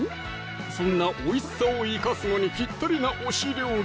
そんなおいしさを生かすのにぴったりな推し料理